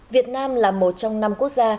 việt nam là một trong năm quốc gia